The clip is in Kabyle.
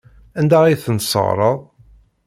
Anda ay tent-tesseɣreḍ?